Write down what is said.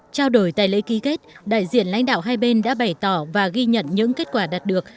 trao đổi tại lễ ký kết đại diện lãnh đạo hai bên đã bày tỏ và ghi nhận những kết quả đạt được